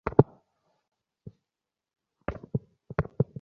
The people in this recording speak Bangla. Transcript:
বিএনপি এত দিন পেছন থেকে সমর্থন দিলেও এখন প্রকাশ্যে সমর্থন দিচ্ছে।